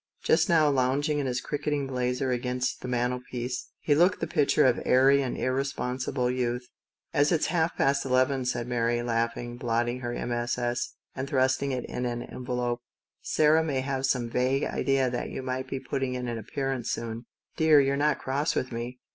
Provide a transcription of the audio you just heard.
Just now, lounging in his cricketing blazer against the mantelpiece, Jimmie looked the picture of airy and irresponsible youth. "As it's half past eleven," said Mary, laughing, blotting her MSS., and thrusting it in an envelope, "Sarah may have some vague idea that you might be putting in an appearance soon." " Dear, you're not cross with me